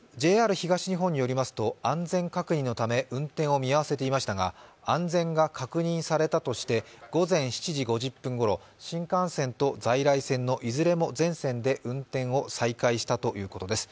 ＪＲ東日本によりますと安全確認のため運転を見合わせていましたが安全が確認されたとして午前７時５０分ごろ新幹線と在来線のいずれも全線で運転を再開したということです。